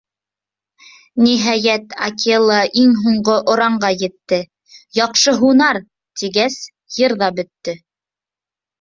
Ниһайәт, Акела иң һуңғы оранға етте: «Яҡшы һунар!» — тигәс, Йыр ҙа бөттө.